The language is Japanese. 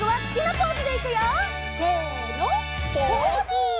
ポーズ！